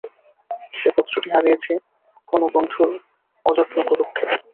সে পত্রটি হারিয়েছে কোনো বন্ধুর অযত্নকরক্ষেপে।